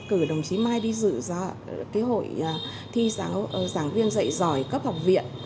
cử đồng chí mai đi dự ra cái hội thi giảng viên dạy giỏi cấp học viện